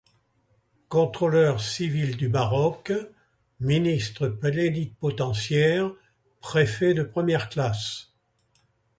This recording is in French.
Contrôleur civil du Maroc, ministre plénipotentiaire, préfet de première classe.